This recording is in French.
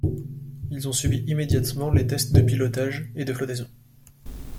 Ils ont subi immédiatement les tests de pilotage et de flottaison.